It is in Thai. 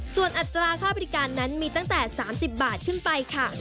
ส่วนอัตราค่าบริการนั้นมีตั้งแต่๓๐บาทขึ้นไปค่ะ